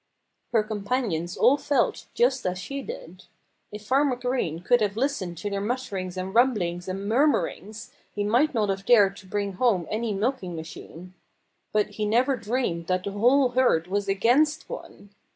Her companions all felt just as she did. If Farmer Green could have listened to their mutterings and rumblings and murmurings he might not have dared bring home any milking machine. But he never dreamed that the whole herd was against one.